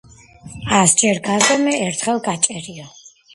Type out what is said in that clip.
ასჯერ გაზომე ერთხელ გაჭერიო